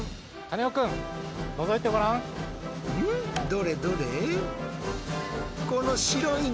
どれどれ。